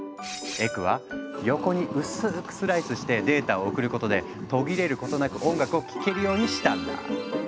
エクはヨコに薄くスライスしてデータを送ることで途切れることなく音楽を聴けるようにしたんだ。